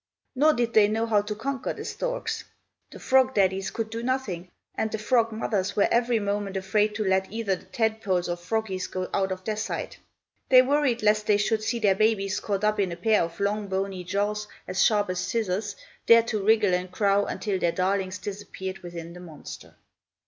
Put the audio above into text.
Nor did they know how to conquer the storks. The frog daddies could do nothing, and the frog mothers were every moment afraid to let either the tadpoles or froggies go out of their sight. They worried lest they should see their babies caught up in a pair of long, bony jaws, as sharp as scissors, there to wriggle and crow, until their darlings disappeared within the monster.